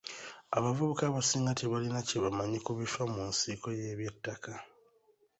Abavubuka abasinga tebalina kye bamanyi ku bifa mu nsiike y'eby'ettaka.